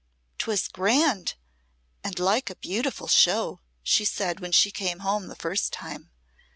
"'Twas grand and like a beautiful show!" she said, when she came home the first time.